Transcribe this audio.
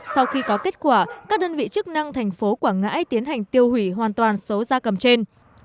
sau khi có kết quả các đơn vị chức năng thành phố quảng ngãi tiến hành tiêu hủy hoàn toàn số da cầm trên